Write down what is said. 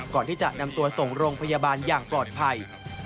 ก่อนที่จะนำตัวส่งโรงพยาบาลอย่างปลอดภัย